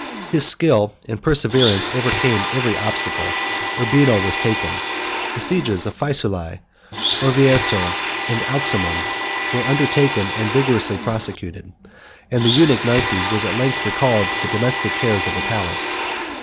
His skill and perseverance overcame every obstacle: Urbino was taken, the sieges of Faesulae Orvieto, and Auximum, were undertaken and vigorously prosecuted; and the eunuch Narses was at length recalled to the domestic cares of the palace.